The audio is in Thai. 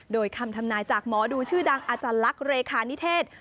โดยคำทำนายจากหมอดูชื่อดังอาจารย์ลักษณ์เลขานิเทศ